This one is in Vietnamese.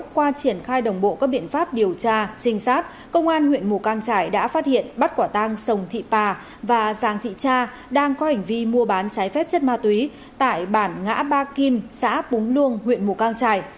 qua triển khai đồng bộ các biện pháp điều tra trinh sát công an huyện mù căng trải đã phát hiện bắt quả tang sồng thị pà và giàng thị cha đang có hành vi mua bán trái phép chất ma túy tại bản ngã ba kim xã búng luông huyện mù căng trải